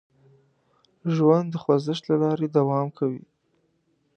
ژوند د خوځښت له لارې دوام کوي.